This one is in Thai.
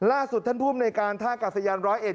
ล่าสุดท่านผู้บุ่มในการท่ากลับสัญญาณบินร้อยเอ็ด